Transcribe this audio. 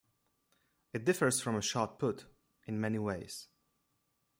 It differs from shot put in many ways.